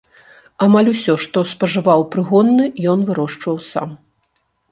Амаль усё, што спажываў прыгонны, ён вырошчваў сам.